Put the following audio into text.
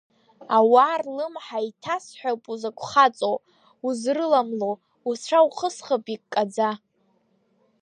Ауаа рлымҳа иҭасҳәап узакә хаҵоу, узрыламло, уцәа ухысхып иккаӡа.